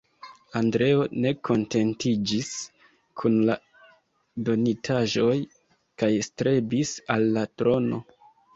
Andreo ne kontentiĝis kun la donitaĵoj kaj strebis al la trono.